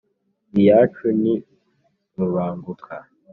iyacu ni rubanguka,